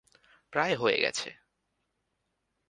প্রায় হয়ে গেছে!